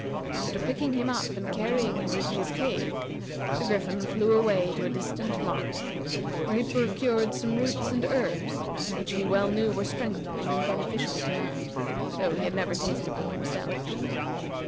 After picking him up and carrying him to his cave, the Griffin flew away to a distant marsh, where he procured some roots and herbs which he well knew were strengthening and beneficial to man, though he had never tasted them himself.